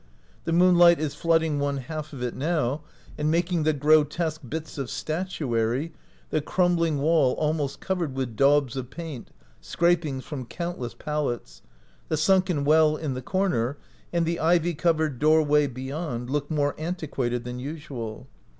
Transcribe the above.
The moon light is flooding one half of it now, and making the grotesque bits of statuary, the crumbling wall almost covered with daubs of paint (scrapings from countless palettes), the sunken well in the corner, and the ivy covered doorway beyond, look more antiquated than usual.